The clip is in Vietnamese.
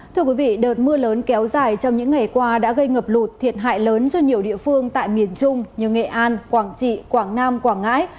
thưa quý vị đợt mưa lớn kéo dài trong những ngày qua đã gây ngập lụt thiệt hại lớn cho nhiều địa phương tại miền trung như nghệ an quảng trị quảng nam quảng ngãi